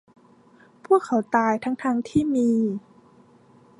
พวกเขาตายทั้ง ๆ ที่มี